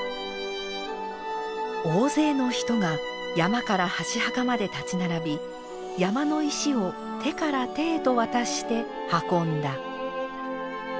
「大勢の人が山から箸墓まで立ち並び山の石を手から手へと渡して運んだ」。